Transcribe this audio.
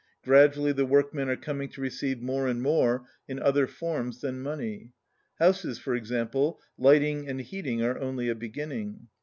Gradually the workmen are coming to receive more and more in other forms than money. Houses, for example, lighting and heating are only a beginning.